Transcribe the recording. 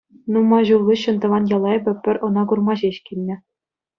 Нумай ҫул хыҫҫӑн тӑван яла эпӗ пӗр ӑна курма ҫеҫ килнӗ.